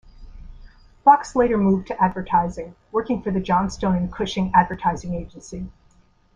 Fox later moved to advertising, working for the Johnstone and Cushing advertising agency.